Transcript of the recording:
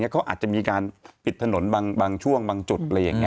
เขาอาจจะมีการปิดถนนบางช่วงบางจุด